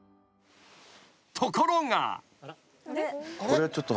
［ところが］